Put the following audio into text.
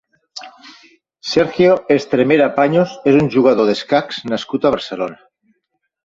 Sergio Estremera Paños és un jugador d'escacs nascut a Barcelona.